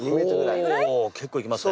ほう結構いきますね。